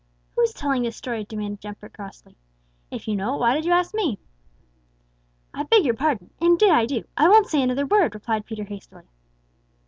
"Who's telling this story?" demanded Jumper crossly. "If you know it why did you ask me?" "I beg your pardon. Indeed I do. I won't say another word," replied Peter hastily.